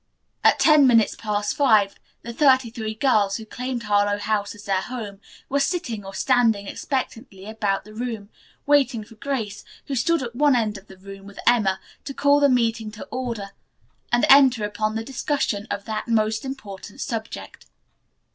At ten minutes past five the thirty three girls who claimed Harlowe House as their home were sitting or standing expectantly about the room, waiting for Grace, who stood at one end of the room with Emma, to call the meeting to order and enter upon the discussion of that "most important subject."